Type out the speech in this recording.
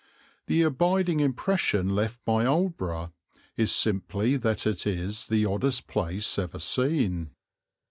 The abiding impression left by Aldeburgh is simply that it is the oddest place ever seen.